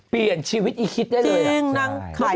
เปลี่ยนชีวิตอีคิดได้เลย